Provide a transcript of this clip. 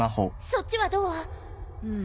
そっちはどう？